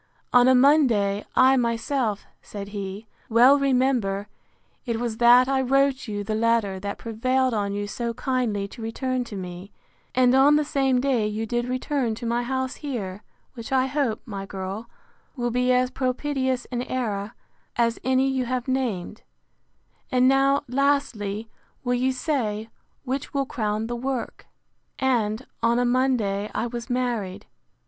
On a Monday, I myself, said he, well remember, it was that I wrote you the letter, that prevailed on you so kindly to return to me; and on the same day you did return to my house here; which I hope, my girl, will be as propitious an era as any you have named: And now, lastly, will you say, which will crown the work; And, on a Monday I was married.